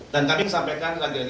dan kami sampaikan lagi lagi